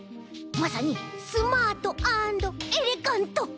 まさにスマートアンドエレガント！